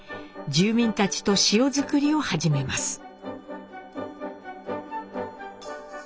住民たちと塩作りを始めます。